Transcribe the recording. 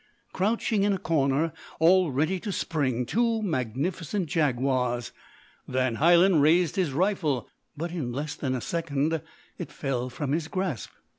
crouching in a corner all ready to spring, two magnificent jaguars. Van Hielen raised his rifle, but in less than a second it fell from his grasp.